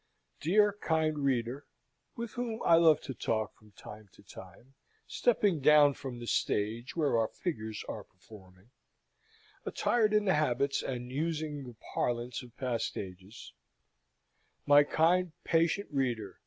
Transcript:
Dear, kind reader (with whom I love to talk from time to time, stepping down from the stage where our figures are performing, attired in the habits and using the parlance of past ages), my kind, patient reader!